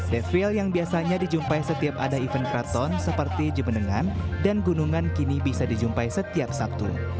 deville yang biasanya dijumpai setiap ada event keraton seperti jemenengan dan gunungan kini bisa dijumpai setiap sabtu